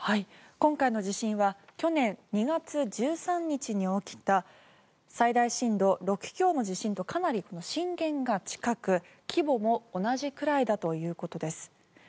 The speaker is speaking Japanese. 今回の地震は去年２月１３日に起きた最大震度６強の地震とかなり震源が近く規模も同じくらいだということです。